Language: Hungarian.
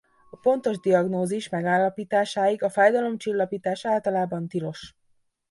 A pontos diagnózis megállapításáig a fájdalomcsillapítás általában tilos.